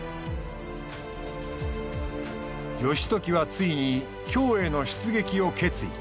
義時はついに京への出撃を決意。